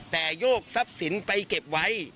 แต่โยกทรัพย์สินไปเก็บไว้